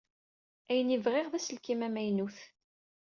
Ayen i bɣiɣ d aselkim amaynut.